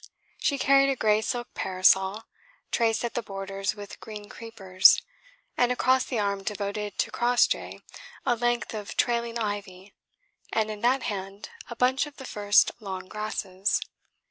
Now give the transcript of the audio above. She carried a grey silk parasol, traced at the borders with green creepers, and across the arm devoted to Crossjay a length of trailing ivy, and in that hand a bunch of the first long grasses.